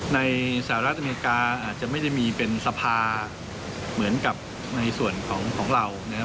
สหรัฐอเมริกาอาจจะไม่ได้มีเป็นสภาเหมือนกับในส่วนของของเรานะครับ